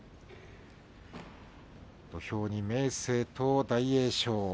土俵は明生と大栄翔。